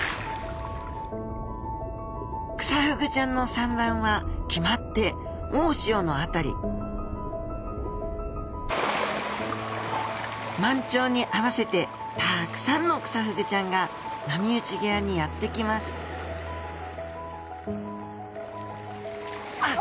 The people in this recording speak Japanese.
クサフグちゃんの産卵は決まって大潮の辺り満潮に合わせてたくさんのクサフグちゃんが波打ち際にやって来ますあっ。